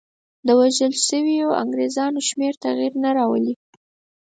د وژل شویو انګرېزانو شمېر تغییر نه راولي.